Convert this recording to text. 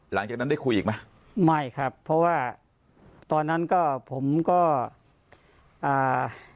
หลังจากนั้นได้คุยอีกไหมไม่ครับเพราะว่าตอนนั้นก็ผมก็อ่า